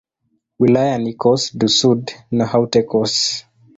Wilaya ni Corse-du-Sud na Haute-Corse.